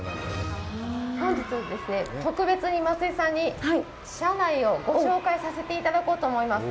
本日ですね、特別に松井さんに車内をご紹介させていただこうと思います。